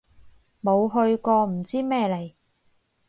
冇去過唔知咩嚟